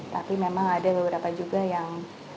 tapi memang ada beberapa juga yang